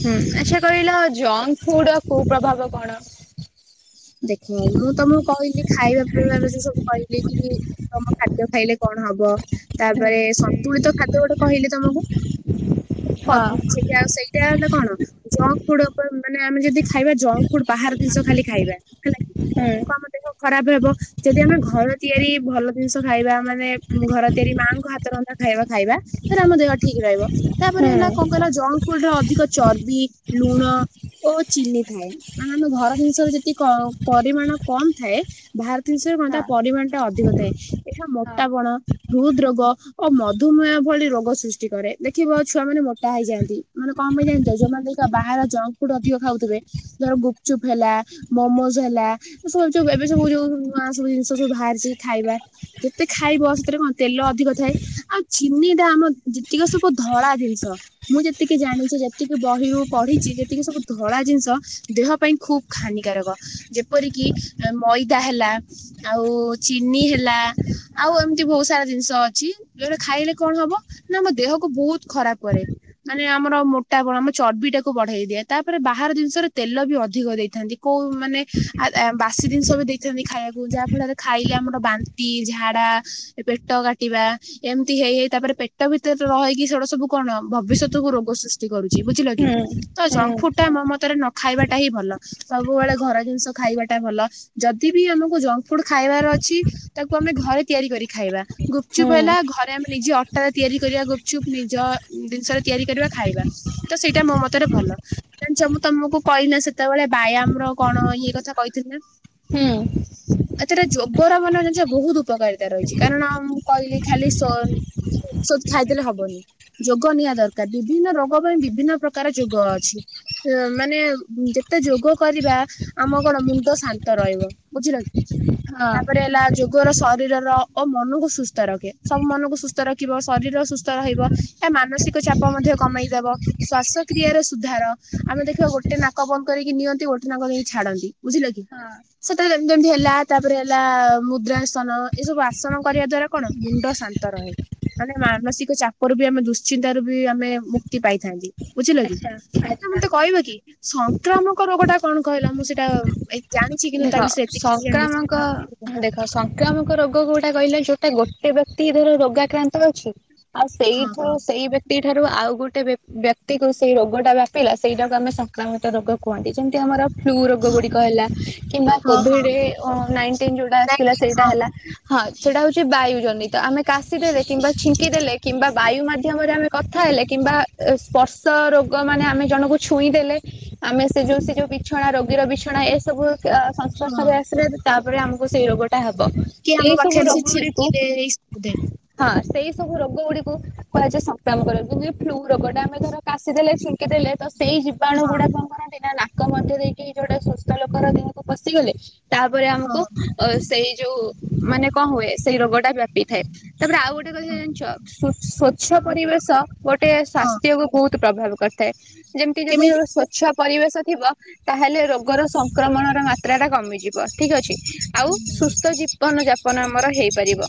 ହୁଁ ଆଚ୍ଛା କହିଲା ଜଙ୍କ ଫୁଡ ର କୁ ପ୍ରଭାବ କଣ? [inaudible] ଦେଖ ମୁଁ ତମକୁ କହିଲି ଖାଇବା ପରେ ସେ ସବୁ କହିଲି କି ତମ ଖା ଖାଦ୍ୟ ଖାଇଲେ କଣ ହବ? ହୁଁ ତାପରେ ସନ୍ତୁଳିତ ଖାଦ୍ୟ ଗୋଟେ କହିଲେ ତମକୁ ହଁ ସେଟା ସେଇଟା ହେ କଣ ଜଙ୍କ ଫୁଡ ଉପରେ ମାନେ ଆମେ ଯଦି ଖାଇବା ଜଙ୍କ ଫୁଡ ବାହାର ଜିନିଷ ଖାଲି ଖାଇବା । ହୁଁ ଲୋକଙ୍କ ଦେହ ଖରାପ ହବ, ଯଦି ଆମେ ଘର ତିଆରି ଭଲ ଜିନିଷ ଖାଇବା ମାନେ ଘର ତିଆରି ମାଆଙ୍କ ହାତ ରନ୍ଧା ଖାଇବା ଖାଇବା ରେ ଆମ ଦେହ ଠିକ ରହିବ ତାପରେ ହେଲା କଣ ହୁଁ କହିଲ? ଜଙ୍ଗଫୁଡ ର ଅଧିକ ଚର୍ବି ଲୁଣ ଓ ଚିନି ଥାଏ ମାନେ ଆମେ ଘର ଜିନିଷରେ ଯେତିକି ପରିମାଣ କମ ଥାଏ ବାହାର ଜିନିଷରେ କଣ ତା ହଁ ପରିମାଣ ଟା ଅଧିକ ଥାଏ ଏହା ହଁ ମୋତା ବଣ ହୃଦ ରୋଗ ଓ ମଧୁମେହ ଭଳି ରୋଗ ସୃଷ୍ଟି କରେ ଦେଖିବ ଛୁଆ ମାନ ମୋଟା ହେଇଯାଆନ୍ତି, ମାନେ କଣ ପାଇଁ ଜାଣିଛ -ଯୋଉମାନେ ବାହାରର ଜଙ୍କ ଫୁଡ ଅଧିକ ଖାଉଥିବେ, ଧର ଗୁପଚୁପ ହେଲା ମୋମୋଜ ହେଲା ଏ ସବୁ ଯୋ ଏବେ ସବୁ ଯୋଉ ନୂଆ ସବୁ ଜିନିଷ ସବୁ ବାହାରିଛି ଖାଇବା ଯେତେ ଖାଇବ ସେଥିରେ କଣ ତେଲ ଅଧିକ ଥାଏ ଆଉ ଚିନିଟା ଆମ ଯେତିକି ସବୁ ଧଳା ଜିନିଷ, ମୁଁ ଯେତିକି ଜାଣିଛି ଯେତିକି ବହିରୁ ପଢିଛି, ଯେତିକି ସବୁ ଧଳା ଜିନିଷ, ଦେହ ପାଇଁ ଖୁବ୍ ହାନି ଯେପରିକି ମଇଦା ହେଲା ଆଉ ଚିନି ହେଲା ଆଉ ଏମିତି ବହୁତ ସାରା ଜିନିଷ ଅଛି ଯଉଟା ଖାଇଲେ କଣ ହବ ନା ଆମ ଦେହକୁ ବହୁତ ଖରାପ କରେ ମାନେ ଆମର ମୋଟାପଣ ଆମ ଚର୍ବି ଟାକୁ ବଢେଇ ଦିଏ ତାପରେ ବାହାର ଜିନିଷରେ ତେଲ ବି ଅଧିକ ଦେଇଥାନ୍ତି । କୋଉ ମାନେ ବାସି ଜିନିଷ ବି ଦେଇଥାନ୍ତି ଖାଇବାକୁ ଯାହା ଫଳରେ ଖାଇଲେ ଆମର ବାନ୍ତି ଝାଡା ପେଟ କାଟିବା ଏମିତି ହେଇ ହେଇ ତାପରେ ପେଟ ଭିତରେ ରହିକି ସେଟା ସବୁ କଣ ଭବିଷ୍ୟତକୁୁ ରୋଗ ସୃଷ୍ଟି କରୁଛି। ବୁଝିଲ କି? ହୁଁ ତ ହୁଁ ଜଫୁ ଟା ମୋ ମତରେ ଖାଇବାଟା ହିଁ ଭଲ। ସବୁବେଳେ ଘର ଜିନିଷ ଖାଇବାଟା ଭଲ ଯଦି ବି ଆମକୁ ଜଙ୍କ ଫୁଡ ଖାଇବାର ଅଛି ତାକୁ ଆମେ ଘରେ ତିଆରି କରି ଖାଇବା ଗୁପଚୁପ୍ ହୁଁ ହେଲା ଘରେ ଆମେ ନିଜେ ଅଟାରେ ତିଆରି କରିବା ଗୁପଚୁପ, ନିଜ ଜିନିଷରେ ତିଆରି କରିବା ଖାଇବା ତ ସେଇଟା ମୋ ମତରେ ଭଲ, ମୁଁ ତମକୁ କହିଲି ନା ସେତେବେଳେ ବ୍ୟାୟାମର କଣ ଇ କଥା କହିଥିଲେ ନା ହୁଁ ଏତଟା ଯୋଗର ମାନେ ଜ ବହୁତ ଉପକାରିତା ରହିଛି କାରଣ ମୁଁ କହିଲି ଖାଲି ଖାଇଦେଲେ ହବନି ଯୋଗ ନିହାତି ଦରକାର ବିଭିନ୍ନ ରୋଗ ପାଇଁ ବିଭିନ୍ନ ପ୍ରକାର ଯୋଗ ଅଛି ମାନେ ଏତେ ଯୋଗ କରିବା ଆମ କଣ ମୁଣ୍ଡ ଶାନ୍ତ ରହିବ ବୁଝିଲ। ହଁ ହଁ ତାପରେ ହେଲା ଯୋ ରୋଗର ଶରୀରର ଓ ମନକୁ ସୁସ୍ଥ ରଖେ ସବୁ ମନକୁ ସୁସ୍ଥ ରଖିବ ଶରୀର ସୁସ୍ଥ ରହିବ ଏହା ମାନସିକ ଚାପ ମଧ୍ୟ କମେଇଦବ ଶ୍ୱାସକ୍ର୍ରିୟାରେ ସୁଧାର ଆମେ ଦେଖିବା ଗୋଟେ ନାକବନ୍ଦ କରିକି ନିଅନ୍ତି ଗୋଠନା କରିକି ଛାଡନ୍ତି ବୁଝିଲ କି ସେତେବେଳେ ଯେମତି ଯେମତି ହେଲା ତାପରେ ହେଲା ମୁଦ୍ରାସନ ଏସବୁ ଆସନ କରିବା ଦ୍ଵାରା କଣ ମୁଣ୍ଡ ଶାନ୍ତ ରହେ, ମାନେ ମାନସିକ ଚାପ ର ବି, ଆମେ ଦୁଶ୍ଚିନ୍ତତା ର ବି ଆମେ ମୁକ୍ତି ପାଇଥାନ୍ତି, ବୁଝିଲ କି? ଆଚ୍ଛା ଆଚ୍ଛା। ମତେ କହିବ କି? ସଂକ୍ରାମକ ରୋଗ ଟା କଣ କହିଲ? ମୁଁ ସେଇଟା ଜାଣିଛି କିନ୍ତୁ ତା ଦେଖ ବିଷୟରେ ଏତେ କିଛି ଜାଣିନି ସଂକ୍ରାମକ ରୋଗ ଟା ଦେଖ ସଂକ୍ରାମକ ରୋଗ କୋଉଟା କହିଲେ? ଯୋଉଟା ଗୋଟେ ଧର ରୋଗାକ୍ରାନ୍ତ ଅଛି ଆଉ ହଁ ସେଇଠାରୁ ହଁ ସେଇ ବ୍ୟତି ଏହିଠାରୁ ଆଉ ଗୋଟେ ବ୍ୟକ୍ତିକୁ ସେହି ରୋଗଟା ବ୍ୟାପିଲା ସେଇଟାକୁ ଆମେ ସଂକ୍ରମିତ ରୋଗ କୁହନ୍ତି। ଯେମିତି ଆମର ଫ୍ଲୁ ରୋଗ ଗୁଡିକ ହେଲା। କିମ୍ବା ହଁ ହଁ କୋଭିଡ ନାଇଟିନ ଯୋଉଟା ନାଇଁ ଆସିଥିଲା କି ସେଇଟା ହଁ ହେଲା ହଁ ସେଟା ହଉଛି ବାୟୁ ଜନିତ ଆମେ କାଶ ଦେଲେ କିମ୍ବା ଛିଙ୍କି ଦେଲେ କିମ୍ବା ବାୟୁ ମାଧ୍ୟମରେ ଆମେ କଥା ହେଲେ କିମ୍ବା ସ୍ପର୍ଶ ରୋଗ ମାନେ ଆମେ ଜଣଙ୍କୁ ଛୁଇଁ ଦେଲେ ଆମେ ସେ ଯେଉ ସେ ଯେଉଁ ବିଛଣା ରୋଗୀର ବିଛଣା ଏସବୁ ହଁ ସଂସ୍ପର୍ଶରେ ଆସିଲେ ତା ଆମକୁ ସେଇ ରୋଗଟା ହେବ। କି ଆମ ପାଖରେ ସେ ଛିଙ୍କିଲେ ହେଇ ହଁ ସେଇ ସବୁ ରୋଗ ଗୁଡ଼ିକୁ କୁହାଯାଏ ସଂକ୍ରାମକ ରୋଗ ଫ୍ଲୁ ରୋଗ ଟା ଆମେ ଧର କାଶି ଦେଲେ ଛିଙ୍କିଦେଲେ ତ ସେଇ ଜୀବାଣୁ ହଁ ଗୁଡା କଣ କରନ୍ତି ନା ଲୋକ ମଧ୍ୟ ଦେଇକି ଗୋଟେ ସୁସ୍ଥ ଲୋକର ପଶିଗଲେ। ତାପରେ ଆମକୁ ହଁ ଅ ସେଇ ଯୋଉ ମାନେ କଣ ହୁଏ ସେଇ ରୋଗ ଟା ବ୍ୟାପି ଥାଏ। ତାପରେ ଆଉ ଗୋଟେ କଥା ହଁ ଜାଣିଛ ସ୍ଵଛ କଣ ତ ପରିବେଶ ଗୋଟେ ହଁ ସ୍ବାସ୍ଥ୍ୟକୁ ବହୁତ ପ୍ରଭାବ କରେ କରିଥାଏ ଯେମିତି ଯଦି କେମିତି ସ୍ୱଚ୍ଛ ପରିବେଶ ଥିବ ତାହେଲେ ରୋଗର ସଂକ୍ରମଣ ମାତ୍ରା ଟା କମିଯିବ ଠିକ୍ ଅଛି। ଆଉ ସୁସ୍ଥ ଜୀବନ ଯାପନ ଆମର ହେଇପାରିବ।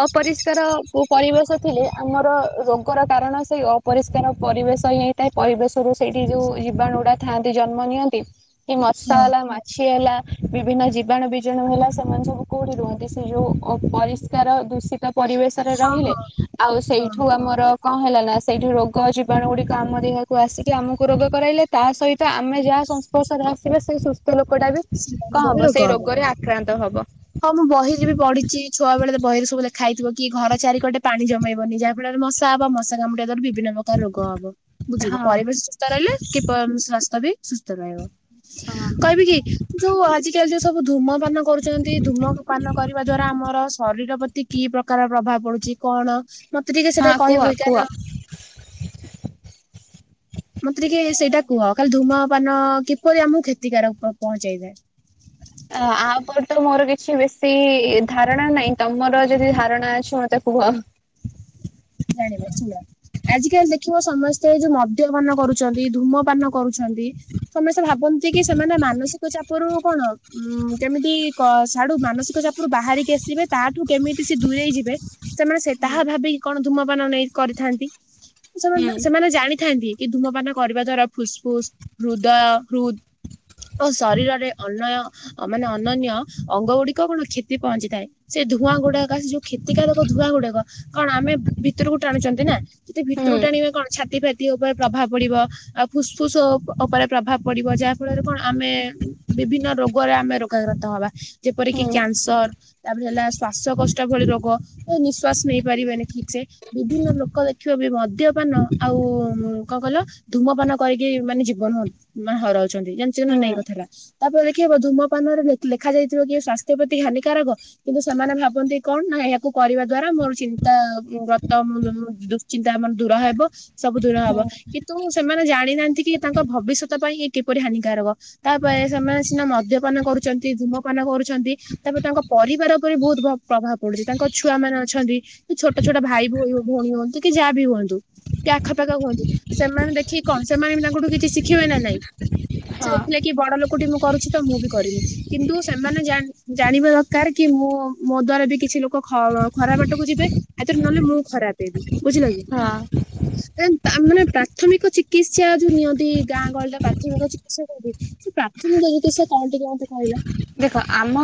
ଅପରିଷ୍କାର ପରିବେଶ ଥିଲେ ଆମର ରୋଗର କାରଣ ସେଇ ଅପରିଷ୍କାର ପରିବେଶ ହିଁ ହେଇଥାଏ ପରିବେଶରୁ ସେଇଠି ଯୋଉ ଜୀବାଣୁଡା ଥାଆନ୍ତି ଜନ୍ମ ନିଅନ୍ତି। ଏଇ ହଁ ମସଲା ମା ହେଲା ବିଭିନ୍ନ ଜୀବାଣୁ ବିଜାଣୁ ହେଲା ସେମାନେ ସବୁ କଉଠି ରୁହନ୍ତି ସେ ଯୋଉ ପରିଷ୍କାର ଦୂଷିତ। ପରିବେଶରେ ହଁ ରହିଲେ ହଁ ଆଉ ହଁ ସେଇଠୁ ଆମର। କଣ ହେଲା ନା ସେଇଠି ରୋଗ ଜୀବାଣୁ ଗୁଡିକ ଆମର ଏହାକୁ ଆସିକି ଆମକୁ ରୋଗ କରାଇଲେ ତା ସହିତ ଆମେ ଯାହା ସଂସ୍ପର୍ଶରେ ଆସିବାେ ସେ। ଲୋକ ଟା ବି କଣ ସେମାନଙ୍କୁ ବି ହବ ରୋଗ ସେଇ ରୋଗରେ ଆକ୍ରାନ୍ତ ହବ। ହଁ ମୁଁ ବହିରେ ବି ପଢ଼ିଚି। ଛୁଆ ବେଳେ ତ ବହିରେ ସବୁ ଲେଖା ଖାଇଥିବ କି ଘର ଚାରି କଟେ ପାଣି ଜମେଇବନି। ଯାହା ଫଳରେ ମଶା ହବ ମଶା କାମୁଡ଼ାରେ ବି ବିଭିନ୍ନ ପ୍ରକାର ରୋଗ ହବ ବୁଝିଲେ ହଁ ।ପରିବେଶ ସୁସ୍ଥ ରହିଲେ କି ସ୍ଵାସ୍ଥ୍ୟ ବି ସୁସ୍ଥ ରହିବ। ହଁ। କହିବି କି ଯୋଉ ଆଜିକାଲି ଯୋଉ ସବୁ ଧୂମ ପାନ କରୁଛ ନ୍ତି ଧୂମପାନ କରିବା ଦ୍ଵାରା ଆମର ଶରୀର। କି ପ୍ରକାର ପ୍ରଭାବ ପଡୁଛି କଣ। ମତେ ଟିକେ ସେଟା ହଁ କୁହ କହିବୁ କୁହ। କାରଣ। ମତେ ଟିକେ ସେଇଟା କୁହ ଖାଲି ।ଧୂମପାନ କିପରି ଆମକୁ କ୍ଷତିକାର ପ ପହଞ୍ଚେଇଥାଏ। ଆ ଉପରେ ତ ମୋର କିଛି ବେଶୀ ଧାରଣା ନାହିଁ। ତମର ଯଦି ଧାରଣା ଅଛି ମତେ କୁହ। ଜାଣିବ ଶୁଣ ଆଜିକାଲି ଦେଖିବ ସମସ୍ତେ ଯୋଉ ମଦ୍ୟପାନ କରୁଛନ୍ତି ।ଧୂମପାନ କରୁ ଛନ୍ତି ସମସ୍ତେ ଭାବନ୍ତି କି, ସେମାନେ ମାନସିକ ଚାପରୁ କଣ ଉ କେମିତି ସଢୁ ମାନସିକ ଚାପଡୁ ବାହାରିକି ଆସିବେ, ତାଠୁ କେମିତି ସେ ଦୂରେଇ ଯିବେ? ସେମାନେ ସେ ହୁଁ। ତାହା ଭାବି ଧୂମପାନ ନେଇ କରିଥାନ୍ତି। ହୁଁ ସେମାନେ ସେମାନେ ଜାଣିଥାନ୍ତି। କି ଧୂମପାନ କରିବା ଦ୍ଵାରା ଫୁସ୍ ଫୁସ୍ ହୃଦୟ ହୃଦ ଓ ଶରୀରରେ ଅନୟ ମାନେ ଅନନ୍ୟ ଅଙ୍ଗ ଗୁଡିକ କଣ କ୍ଷତି ପହଞ୍ଚିଥାଏ। ସେ ଧୂଆଁ ଗୁଡାକ ସେ ଯୋଉ କ୍ଷତିକାରକ ଧୂଆଁ ଗୁଡାକ କଣ ଭିତରକୁ ଟାଣୁଛନ୍ତି ନା ।ସେତେ ଭିତରକୁ ଟାଣିବେ କଣ ଛାତି ଫା ତିଇ ଉପରେ ପ୍ରଭାବ ପଡିବ ।ଆଉ ଫୁସ୍ଫୁସ ଉପରେ ପ୍ରଭାବ ପଡିବ ଯାହା ଫଳରେ କଣ ଆମେ ବିଭିନ୍ନ ରୋଗରେ ଆମେ ରୋଗାକ୍ରାନ୍ତ ହବା। ଯେପରିକି ହୁଁ କ୍ୟାନସର ତାପରେ ହେଲା ଶ୍ୱାସ କଷ୍ଟ ଷ୍ଟ ଭଳି ରୋଗ ଓ ନିଶ ଶ୍ୱାସ ନେଇ ପାରିବେନି ଠିକ୍ ବିଭିନ୍ନ ଲୋକ ଦେଖିବ ବି ମଦ୍ୟପାନ ଆଉ କଣ କହିଲ ଧୂମପାନ କରିକି। ମାନେ ଜୀବନ ମାନେ ହରାଉ ଛନ୍ତି ଜାଣିଚ ହୁଁ ନାଇଁ ହୁଁ କଥା ଟା। ତାପରେ ଦେଖିହବ ଧୂମପାନରେ ଲେଖା ଯାଇଥିବ କି ସ୍ଵାସ୍ଥ୍ୟ ପ୍ରତି ହାନିକାରକ ।କିନ୍ତୁ ସେମାନେ ଭାବନ୍ତି କଣ ନା ଏହାକୁ କରିବା ଦ୍ଵାରା ମୋର ଚିନ୍ତା ଚିନ୍ତା ଆମର ଦୂର ହେବ। ସବୁ ଦୂର ହବ ହୁଁ ।କିନ୍ତୁ ସେମାନେ ଜାଣିନାହାନ୍ତି କି ତାଙ୍କ ଭବିଷ୍ୟତ ପାଇଁ ଏ କିପରି ହାନିକାରକ। ତାପରେ ସେମାନେ ସିନା ମ ଉଦ୍ୟପାନ କରୁଛନ୍ତି ଧୂୁମପାନ କରୁଛନ୍ତି ।ତାପରେ ତାଙ୍କ ପରିବାର ମାନେ ବହୁତ ଭ ପ୍ରଭାବ ପଡୁଛି ।ତାଙ୍କ ଛୁଆ ମାନ ଅଛନ୍ତି ଛୋ ଛୋଟ ଛୋଟ ଭାଇ ଭଉ ଭଉଣୀ ହୁଅନ୍ତୁ। କି ଯାହା ବି ହୁଅନ୍ତୁ ଟ୍ୟ ପାଖାପାଖା ହୁଅନ୍ତୁ ସେମାନେ ଦେଖିକି କଣ ସେମାନେ ବି ତା [unintelligible] ଦେଖିବେ ନା ନାଇଁ ସେ ହଁ ଥିଲେ କି ବଡ ଲୋକଟି ମୁଁ କରୁଛି ତ ମୁଁ କରିନି କିନ୍ତୁ ସେମାନେ ଜାଣିବା ଦରକାର କି ମୁଁ ମୋ ଦ୍ଵାରା ବି କିଛି ଲୋକ ଖରାପ ବାଟକୁ ଯିବେ। [unintelligible] ନହେଲେ ମୁଁ ଖରାପ ହେବି। ବୁଝିଲ କି ହଁ। ଏ ତା ମାନେ ପ୍ରାଥମିକ ଚିକିତ୍ସା ଯୋଉ ନିଅନ୍ତି ଗାଁ ଗହଳିରେ ପ୍ରାଥମିକ ଚିକିତ୍ସା ନିଅନ୍ତି ସେ ପ୍ରାଥମିକ ଚିକିତ୍ସା କଣ ଟିକେ ମତେ କହିଲ । ଦେଖ ଆମ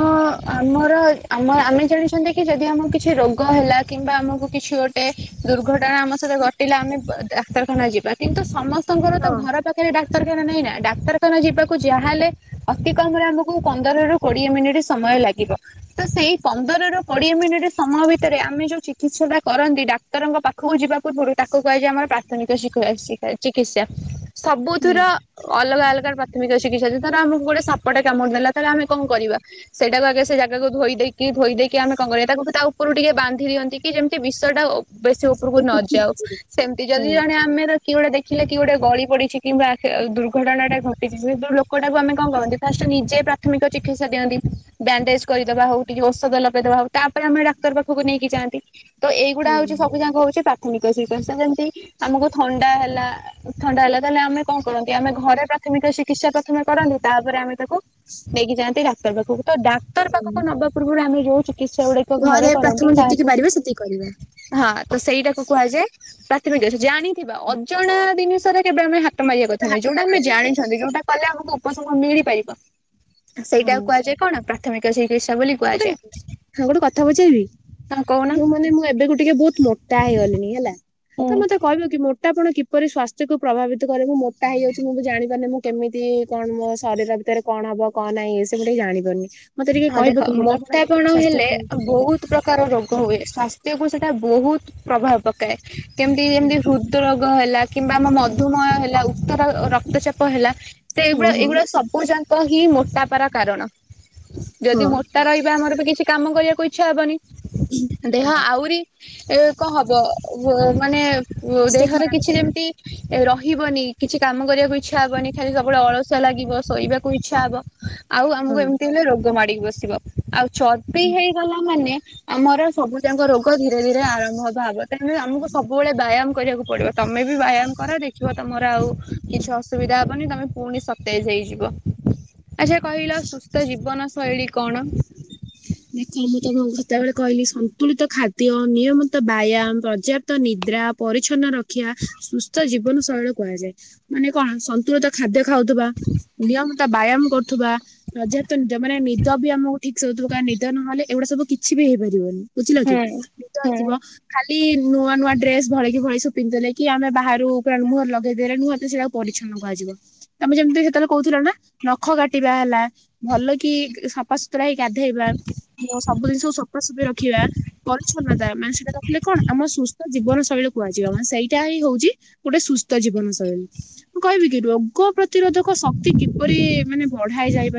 ଆମର ଆମ ଆମେ ଜାଣିଛନ୍ତି କି ଯଦି ଆମକୁ କିଛି ରୋଗ ହେଲା କିମ୍ବା ଆମକୁ କିଛି ଗୋଟେ ଦୁର୍ଘଟ ଘଟଣା ଆମ ସହିତ ଘଟିଲା ଆମେ ଡାକ୍ତରଖାନା ଯିବା କିନ୍ତୁ ସମସ୍ତେ ଙ୍କର ତ ହଁ ଘର ପାଖରେ ଡାକ୍ ଡାକ୍ତରଖାନା ନାଇଁ ନା ଡାକ୍ତରଖାନା ଯିବାକୁ ଯାହାହେଲେ ଅତି କମ ରେ ଆମକୁ ପନ୍ଦରରୁୁ କୋଡିଏ ମିନିଟ ସମୟ ଲାଗିବ ତ ସେଇ ପନ୍ଦର ରୁ କୋଡିଏ ମିନିଟ ସମୟ ଭିତରେ ଆମେ ଯୋଉ ଚିକିତ୍ସା ଟା କରନ୍ତି ଡାକ୍ତରଙ୍କ ପାଖକୁ ଯିବା ପୂର୍ବରୁ ତାକୁ କୁହାଯାଏ ଆମର ପ୍ରାଥମିକ ଚିକିତ୍ସା। ସବୁଥିର ଅଲଗା ଅଲଗା ପ୍ରାଥମିକ ଚିକିତ୍ସା ତାର ଆମକୁ ଗୋଟେ ସାପଟେ କାମୁଡି ଦେଲା। ତାହେଲେ ଆମେ କଣ କରିବା ସେଇଟାକୁ ଆଗେ ସେ ଜାଗାକୁ ଧୋଇ ଦେଇକି ଧୋଇ ଦେଇକି ଆମେ କଣ କରିବା ତାକୁ ତା ଉପରୁ ଟିକେ ବାନ୍ଧି ଦିଅନ୍ତି କି ଯେମିତି ବିଶଟା ବେଶୀ ଉପରକୁ ନଯାଉ ସେମତି ଯଦି ଜଣେ ଆମେ କି ଗୋଟେ ଦେଖିଲେ କି ଗୋଟେ ଗଳି ପଡିଛି କିମ୍ବା ଦୁର୍ଘଟଣା ଟା ଘଟିଛି ସେ ଲୋକଟାକୁ ଆମେ କଣ କରନ୍ତି ଫାଷ୍ଟ ନିଜେ ପ୍ରା ପ୍ରାଥମିକ ଚିକିତ୍ସା ଦିଅନ୍ତି ବ୍ୟାଣ୍ଡେଜ କରିଦବା ହଉ ଟିକେ ଔଷଧ ଲଗେଇଦବା ହଉ ତାପରେ ଆମେ ଡାକ୍ତର ପାଖକୁ ନେଇକି ଯାଆନ୍ତି। ତ ହଁ ଏଇଗୁଡା ହଉଛି ସବୁ ଯାକ ହଉଛି ପ୍ରାଥମିକ [unintelligible] ଯେମିତି ଆମକୁ ଥଣ୍ଡା ହେଲା। ଥଣ୍ଡା ହେଲା ତାହେଲେ ଆମେ କଣ କରନ୍ତି ଆମେ ଘରେ ପ୍ରାଥମିକ ଚିକିତ୍ସା ପ୍ରଥମେ କରନ୍ତି ତାପରେ ଆମେ ତାକୁ ନେଇକି ଯାନ୍ତି ରାସ୍ତା ତ ଡାକ୍ତର ପାଖକୁ ନବା ପୂର୍ବରୁ ଆମେ ଯୋଉ ଚିକିତ୍ସା ଗୁଡିକ ଘରେ କରନ୍ତି ପ୍ରଥମେ ଯେତିକି ତାହାକୁ ପାରିବା ସେତିକି କରିବା ହଁ ତ ସେଇଟାକୁ କୁହାଯାଏ [unintelligible] ଜାଣିଥିବା ଅଜଣା ଜିନିଷରେ କେବେ ଆମେ ହା ହାତ ମାରିବା କେବେ କଥା ନୁହେଁ ହାତ ଯୋଉଟା ଆମେ ମାରିବାନି ଜାଣିଛନ୍ତି ଯୋଉଟା କଲେ ଆମକୁ ମିଳିପାରିବ। ସେଇଟା ହଁ କୁହାଯାଏ କଣ ପ୍ରା ତମେ କନ ସେଇ ଗୋଟେ ହଁ ଗୋଟେ କଥା ପଚାରିବି ହଁ କହୁନ ମୁଁ ମାନେ ମୁଁ ଏବେକୁ ଟିକେ ବହୁତ ମୋଟା ହେଇଗଲିଣି ହେଲା ହୁଁ। ତ ମତେ କହିବ କି ମୋ ମୋଟପଣ କିପରି ସ୍ୱାସ୍ଥ୍ୟକୁ ପ୍ରଭାବିତ କରିବ ମୋଟା ହେଇଯାଉଛି ମୁଁ ବି ଜାଣିପାରୁନିଁ କେମତି କଣ ମୋ ଶରୀର ଭିତରେ କଣ ହବ କଣ ନାହିଁ ସେମିତି ଜାଣିପାରୁନି। ମତେ ଟିକେ ହଁ କହିବ ଦେଖ କି କିପରି ମୋଟାପଣ ହେଲେ ସ୍ୱାସ୍ଥ୍ୟକୁ ପ୍ରଭାବିତ କରେ। ବହୁତ ପ୍ରକାର ରୋଗ ହୁଏ ସ୍ୱାସ୍ଥ୍ୟକୁ ସେ ସେଟା ବହୁତ ପ୍ରଭାବ ପକାଏ କେମିତି ଯେମିତି ହୃଦ୍ ରୋ [unintelligible] କିମ୍ବା ଆମ ମଧୁମୟ ହେଲା ତର ରକ୍ତଚାପ ହେଲା। ତ ହଁ ଏଇଗୁଡା ହଁ ଏଇଗୁଡା ସବୁ ଜାକ କି ମୋଟାପାର କାରଣ। ଯଦି ହଁ। ମୋଟା ରହିବା ଆମର ବି କିଛି କାମ କରିବାକୁ ଇଚ୍ଛା ହବନି। ଦେହ ହଁ ଆହୁରି ଏ କଣ ହବ ମାନେ ସ୍ୱାସ୍ଥ୍ୟ ଦେହରେ ଖରାପ କିଛି ଯେମିତି ରହିବନି। କିଛି କାମ କରିବାକୁ ଇଚ୍ଛା ହବନି ଖାଲି ସବୁବେଳେ ଅଳସୁଆ ଲାଗିବ ଶୋଇବାକୁ ଇଚ୍ଛା ହବ। ଆଉ ଆମକୁ ହବ ଏମତି ଗ୍ ମାଡିକି ବସିିବ। ଆଉ ଚର୍ବି ହଁ। ହେଇଗଲା ମାନେ ଆମର ସବୁ ଯାଙ୍କ ରୋଗ ଧୀରେ ଧୀରେ ଆରମ୍ଭ ହବ ଭାବେ ତେଣୁ ଆମକୁ ସବୁବେଳେ ବାୟାମ କରିବାକୁ ପଡିବ। ତମେ ବି ବାୟାମ କର ଦେଖ ଯିବ ତମର ଆଉ କିଛି ଅସୁବିଧା ହବନି ତମେ ପୁଣି ସତେଇଶ୍ ହେ। ଆଚ୍ଛା କହିଲ ସୁସ୍ ତ ଜୀବନ ଶୈଳୀ କଣ? ଦେଖ ମୁଁ ତମକୁ ସେତେବେଳେ କହିଲି ସନ୍ତୁଳିତ ଖାଦ୍ୟ, ନିୟମିତ ବ୍ୟାୟାମ, ପର୍ଯ୍ୟାପ୍ତ ନିଦ୍ରା, ପରିଚ୍ଛନ୍ନ ର ଶିକ୍ଷା ସୁସ୍ଥ ଜୀବ ଜୀବନ ଶୈଳୀ କୁହାଯାଏ ମାନେ କଣ ସନ୍ତୁଳିତ ଖାଦ୍ୟ ଖାଉଥିବା ନିୟମିତ ବ୍ୟାୟାମ କରୁଥିବା ପର୍ଯ୍ୟାପ୍ତ ନି ମାନେ ନିଦ ବି ଆମକୁ ଠିକ୍ ସେ ହଉଥିବ କାରଣ ନିଦ ତ ନହେଲେ ଏଗୁଡା ସବୁ କିଛି ବି ହେଇପାରିବନି। ବୁଝିଲ କି ହୁଁ ନିଦ ହୁଁ ହେଇଥିବ ଖାଲି ନୂଆ ନୂଆ ଡ୍ରେସ ଭଳି କିି ଭଳି ସବୁ ପିନ୍ଧିଥିଲେ କି ଆମେ ବାହାରୁ ପୁରା ମୁହରେ ଲଗେଇଦେଲେ ନୁହତ ସେଇଟାକୁ ପରିଛନ୍ନ କୁହାଯିବ। ତମେ ଯେମିତି ସେତେବେଳେ କହୁଥିଲ ନା ନଖ କାଟିବା ହେଲା ଭଲ କି ସଫାସତୁରା ହେଇ ଗାଧେଇବା। ସବୁ ଜିନିଷକୁ ସଫାସୁଫି ରଖିବା ପରିଛନ୍ନତା ମାନେ ସେଇଟା ରଖିଲେ କଣ ଆମ ସୁସ୍ଥ ଜୀବନ ଶୈଳୀ କୁହାଯିବ ମାନେ ସେଇଟା ହିଁ ହଉଛି ଗୋଟେ ସୁସ୍ଥ ଜୀବନ ଶୈଳୀ। ମୁଁ କହିବି କି ରୋଗ ପ୍ରତିରୋଧକ ଶକ୍ତି କିପରି ମାନେ ବଢାଇ ଯାଇ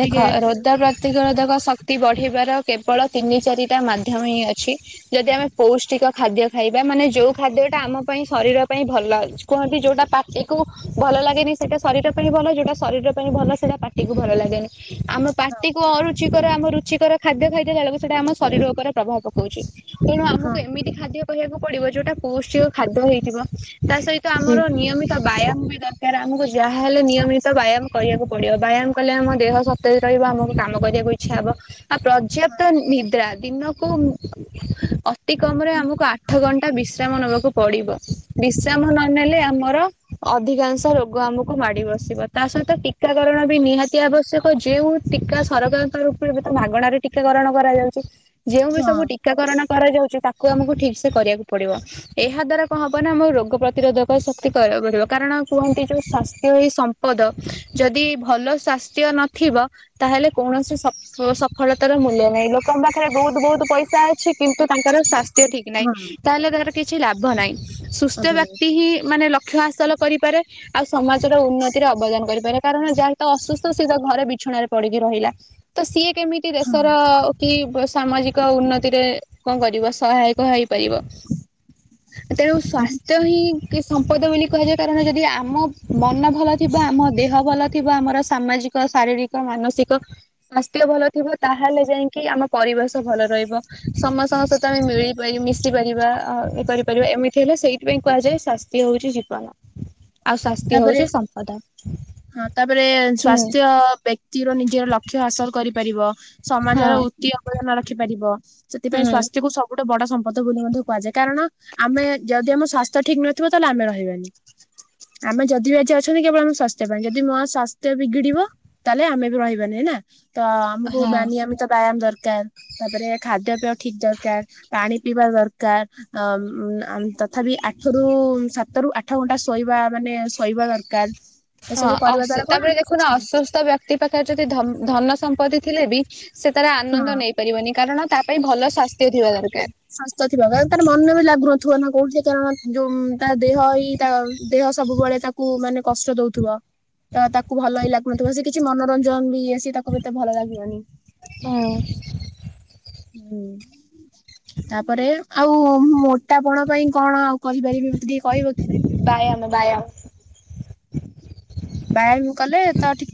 ଦେଖ ରୋଗ ପ୍ରତିରୋଧକ ଶକ୍ତି ବଢି ବାର କେବଳ ତିନି ଚାରିଟା ମାଧ୍ୟମ ହିଁ ଅଛି। ଯଦି ଆମେ ପୌଷ୍ଟିକ ଖାଦ୍ୟ ଖାଇବା ମାନେ ଯୋଉ ଖାଦ୍ୟ ଟା ଆମ ପାଇଁ ଶରୀର ପାଇଁ ଭଲ କୁହନ୍ତି ଯୋଉଟା ପାଟିକୁ ଭଲ ଲାଗେନି ସେଇଟା ଶରୀର ପାଇଁ ଭଲ ଯୋଉଟା ଶରୀର ପାଇଁ ଭଲ ସେଇଟା ପାଟିକୁ ଭଲ ଲାଗେ ନି ଆମ ପାଟି କୁ ଅରୁୁଚି କର ଆମ ରୁଚିକର ଖାଦ୍ୟ ଖାଇଦେଲା ଳକୁ ସେଟା ଆମ ଶରୀର ଉପରେ ପ୍ରଭାବ ପକାଉଛି। ତେଣୁ ଆମକୁ ହଁ ଏମିତି ଖାଦ୍ୟ କହିବାକୁ ପଡିବ ଯୋଉଟା ପୌଷ୍ଟିକ ଖାଦ୍ୟ ହେଇଥିବ। ତା ସହିତ ହଁ ଆମର ନିୟମିତ ବାୟାମ ବି ଦରକାର। ଆରେ ଆମକୁ ଯାହାହଲେ ନିୟମିତ ବାୟାମ କରିବାକୁ ପଡିବ। ବାୟାମ କଲେ ଆମ ଦେହ ସତେଜ ରହିବ ଆମକୁ କାମ କରିବାକୁ ଇଚ୍ଛା ହବ । ଆ ପର୍ଯ୍ୟାପ୍ତ ନିଦ୍ରା ଦିନକୁ [inaudible] ଅ ଅତି କମ ରେ ଆମକୁ ଆଠ ଘଣ୍ଟା ବିଶ୍ରାମ ନବା ପଡିବ ବିଶ୍ରାମ ନନେଲେ ଆମର ଅଧିକାଂଶ ରୋଗ ଆମକୁ ମାଡି ବସିବ ତା ସହିତ ଟିକାକରଣ ବି ନିହାତି ଆବଶ୍ୟକ। ଦେଖ ଯେଉ ଟୀକା ସରକାରଙ୍କ ତରଫରୁ ଏବେ ମାଗଣାରେ ଟୀକାକରଣ କରାଯାଉଛି। ଯେଉଁ ବି ହଁ ସବୁ ଟିକାକରଣ କରାଯାଉଛି ତା କୁ ଆମକୁ ଠିକ୍ ସେ କରିବାକୁ। ପଡିବ ଏହା ଦ୍ଵାରା ହଁ ହବ ନା ଆମ ରୋଗ ପ୍ରତିରୋଧକ ଶକ୍ତି କରିବାକୁ ପଡ଼ିବ। କାରଣ କୁହନ୍ତି ଯୋଉ ସ୍ଵାସ୍ଥ୍ୟ ଏଇ ସମ୍ପଦ ଯଦି ଭଲ ସ୍ୱାସ୍ଥ୍ୟ ନ ଥିବ ତାହେଲେ କୌଣସି ସଫ ସଫଳତାର ମୂଲ୍ୟ ନାହିଁ। ଲୋକଙ୍କ ପାଖରେ ବହୁତ ବହୁତ ପଇସା ଅଛି। କିନ୍ତୁ ତାଙ୍କର ସ୍ୱାସ୍ଥ୍ୟ ଠିକ ନାହିଁ। ତାହେଲେ ତାଙ୍କର କିଛି ଲାଭ ନାହିଁ। ସୁସ୍ଥ ହଁ ବ୍ୟକ୍ତି ହିଁ ମାନେ ଲକ୍ଷ୍ୟ ହାସଲ କରିପାରେ ଆଉ ସମାଜର ଉନ୍ନତିରେ ଅବଦାନ କରିପାରେକାରଣ ଯାହା ତ ଅସୁସ୍ଥ ସେ ତାକୁ ଘରେ ବିଛଣାରେ ପଡିକି ରହିଲା। ତ ସିଏ କେମିତି ଦେସର କି ସାମାଜିକ ଉନ୍ନତିରେ କଣ କରିବ ସହାୟକ । କରିବ [inaudible] ତେଣୁ ହଁ ସ୍ୱାସ୍ଥ୍ୟ ହିଁ କି ସମ୍ପଦ ବୋଲି କୁହାଯାଏ। କାରଣ ଯଦି ଆମ ମନ [unintelligible] ଥିବା ଆମ ଦେହ ଭଲ ବ ଆମର ସାମାଜିକ ଶାରୀରିକ, ମାନସିକ, ସ୍ୱାସ୍ଥ୍ୟ ଭଲ ଥିବ ତାହେଲେ, ଯାଇକି ଆମ ପରିବେଶ ଭଲ ରହିବ ସମସ୍ତଙ୍କ ସହିତ ଆମେ ମିଳି ପା ମିଶିପାରିବ ଇଏ କରିପାରିବ ଏମିତି ହେଲେ ସେଇଥିପାଇଁ କୁହାଯାଏ ସ୍ୱାସ୍ଥ୍ୟ ହଉଛି ଜୀବନ। ଆଉ ସ୍ୱାସ୍ଥ୍ୟ ତାପରେ ହଉଛି ସମ୍ପଦ ହଁ ତାପରେ ହୁଁ ସ୍ୱାସ୍ଥ୍ୟ ବେକ୍ତି ର ନିଜର ଲକ୍ଷ୍ୟ ହାସଲ କରିପାରିବ। ସମାଜର ହଁ। ଉତ୍ତି ଅବଦାନ ରଖିପାରିବ। ସେଥିପାଇଁ ହୁଁ। ସ୍ୱାସ୍ଥ୍ୟକୁ ସବୁ ତ ବଡ ସମ୍ପଦ ବୋଲି ମଧ୍ୟ କୁହାଯାଏ କାରଣ, ଆମେ ଯଦି ଆମ ସ୍ଵାସ୍ଥ୍ୟ ଠିକ ନଥିବ, ତାହେଲେ ଆମେ ରହିବାନି। ଆମେ ଯଦି ବି ଆଜି ଅଛନ୍ତି କେବଳ ଆମ ସ୍ୱାସ୍ଥ୍ୟ ପାଇଁ ଯଦି ମୋ ସ୍ୱାସ୍ଥ୍ୟ ବିଗିଡିବ ତାହେଲେ ଆମେ ବି ରହିବାନି ନା । ତ ଆମକୁ ହଁ ନିୟମିତ ବ୍ୟାୟାମ ଦରକାର୍ ତାପରେ ଖାଦ୍ୟପେୟ ଠିକ ଦରକାର ପାଣି ପିଇବା ଦରକାର ତଥାବି ଆଠ ରୁ ସାତ ରୁ ଆଠ ଘଣ୍ଟା ଶୋଇବା ମାନେ ଶୋଇବା ଦରକାର। ହଁ ଏସବୁ କରିବା ଦ୍ଵାରା କଣ ତାପରେ ଆମ ଦେଖୁନ ସ୍ୱାସ୍ଥ୍ୟ ଅସୁସ୍ଥ ବ୍ୟକ୍ତି ପାଖରେ ଯଦି ଧନ ଧନ ସମ୍ପତ୍ତି ଥିଲେ ବି ସେ ତାର ହଁ ଆନନ୍ଦ ନେଇ ପାରିବନି କାରଣ ତା ପାଇଁ ଭଲ ସ୍ୱାସ୍ଥ୍ୟ ଥିବା ଦର ସ୍ୱାସ୍ଥ୍ୟ ଥିବ ବାସ ତାର ମନ ବି ଲାଗୁନ ଥିବ ନା କୋଉଠି ତା ଯୋଉ ତା ଦେହ ଏଇ ତା ଦେହ ସବୁବେଳେ ତାକୁ ମନେ କଷ୍ଟ ଦୋଉଥିବ। ତ ତାକୁ ଭଲ ହିଁ ଲାଗୁନଥିବ ସେ କିଛି ମନୋରଞ୍ଜନ ସେ ତାକୁ ଏତେ ଭଲ ଲାଗିବନି। ହୁଁ ହୁଁ। ତାପରେ ଆଉ ମୋଟାପଣ ପାଇଁ କଣ କହି ପାରିବି। ବ୍ୟାୟାମ ବ୍ୟାୟାମ। ବ୍ୟାୟାମ କଲେ ତ ଠିକ